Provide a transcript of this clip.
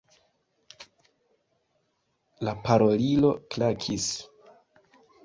La parolilo klakis.